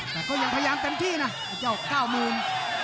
แต่ก็ยังพยายามเต็มที่นะไอ้เจ้าเก้าหมื่น